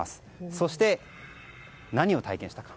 そして、何を体験したか。